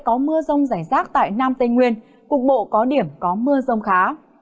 có mưa rông rải rác tại nam tây nguyên cục bộ có điểm có mưa rông khá